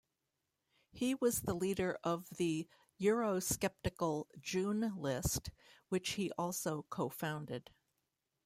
He was the leader of the eurosceptical June List, which he also co-founded.